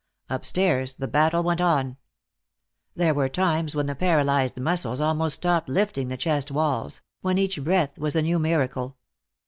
Upstairs the battle went on. There were times when the paralyzed muscles almost stopped lifting the chest walls, when each breath was a new miracle.